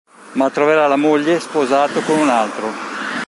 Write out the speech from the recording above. Ma troverà la moglie sposato con un altro.